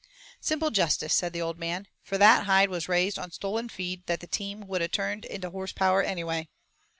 "Simple justice," said the old man, "for that hide was raised on stolen feed that the team would a' turned into horse power anyway."